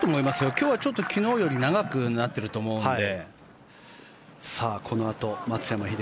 今日はちょっと昨日より長くなっていると思うので。